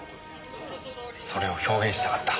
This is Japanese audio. それを表現したかった。